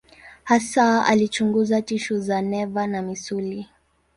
Hasa alichunguza tishu za neva na misuli.